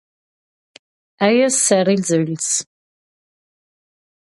Eu ser ils ögls.